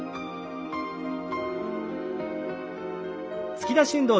突き出し運動。